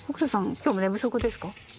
今日も寝不足ですか？